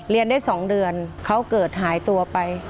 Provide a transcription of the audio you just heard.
เรียนได้๒เดือนเขาเกิดหายตัวไป